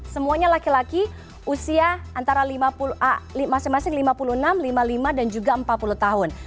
semuanya laki laki usia antara masing masing lima puluh enam lima puluh lima dan juga empat puluh tahun